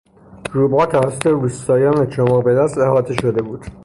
روباه توسط روستاییان چماق به دست احاطه شده بود.